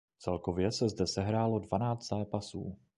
Celkově se zde sehrálo dvanáct zápasů.